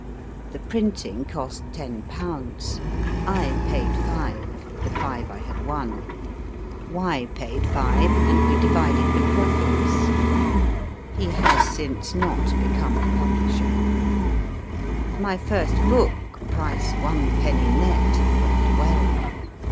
The printing cost ten pounds. I paid five (the five I had won)* i68 MY FIRST BOOK Y. paid five, and we divided the profits. He has since not become a publisher. My first book (price one penny nett) went well.